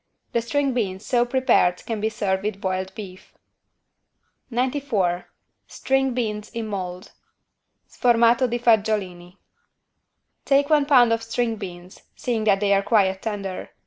The string beans so prepared can be served with boiled beef. 94 STRING BEANS IN MOLD (Sformato di fagiolini) Take one pound of string beans, seeing that they are quite tender.